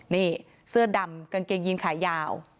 นี่เสื้อดำกางเกงยีนขายาว